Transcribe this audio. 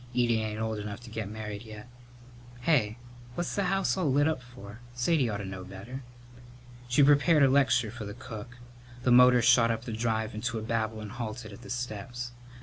Edie ain't old enough to get married yet. Hey, what's the house all lit up for? Sadie ought to know better." She prepared a lecture for the cook. The motor shot up the drive into a babble and halted at the steps.